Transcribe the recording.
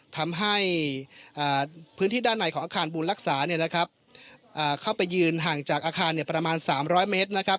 ทำให้พื้นที่ด้านในของอาคารบุญรักษาเข้าไปยืนห่างจากอาคารประมาณ๓๐๐เมตรนะครับ